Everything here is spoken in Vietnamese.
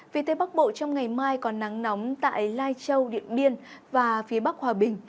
vì tây bắc bộ trong ngày mai còn nắng nóng tại lai châu điện biên và phía bắc hòa bình